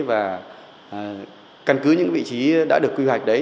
và căn cứ những vị trí đã được quy hoạch đấy